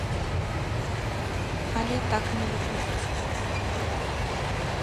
Але так не выходзіць.